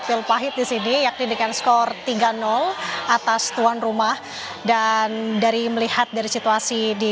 pil pahit di sini yakni dengan skor tiga atas tuan rumah dan dari melihat dari situasi di